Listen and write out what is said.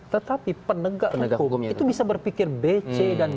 tetapi penegak hukum itu bisa berpikir b c dan b